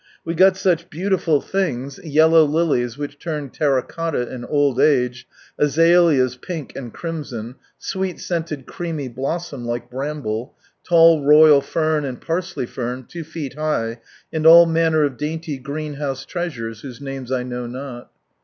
We got such beautiful things, yellow lilies which turn terra cotta in old age ; azaleas pink and crimson ; sweet scented creamy blossom, like bramble ; lall royal fern, and parsley fern, two feet high, and all manner of dainty greenliouse treasures, whose names I know not.